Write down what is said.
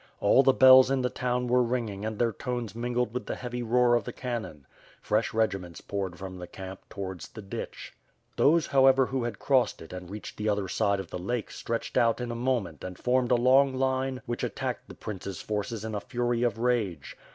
All the bells in the town were ringing and their tones mingled with the heavy roar of the cannon. Fresh regiments poured from the camp towards. the ditch. Those, however, who had crossed it and reached the other side of the lake stretched out in a moment and formed a long line which attacked the prince's forces in a fury of rage.